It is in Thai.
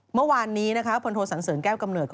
เมื่อวานนี้พลโทสันเสริญแก้วกำเนิด